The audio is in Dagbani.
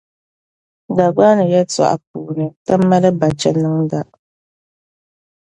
Dagbani yɛltͻɣa puuni, ti mali bachiniŋda .